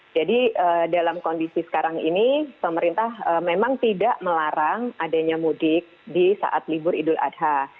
jadi dalam kondisi sekarang ini pemerintah memang tidak melarang adanya mudik di saat libur idul adha